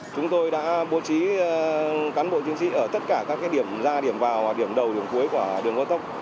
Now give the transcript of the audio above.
chúng tôi đã bố trí cán bộ chiến sĩ ở tất cả các điểm ra điểm vào điểm đầu điểm cuối của đường gót tốc